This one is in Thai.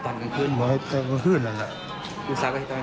คือใส่ประถุงก็ว่าต้องถอดนะบ่ครับหรือว่าไม่ต้อง